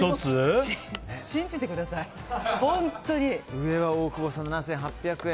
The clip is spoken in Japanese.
上は大久保さんの７８００円。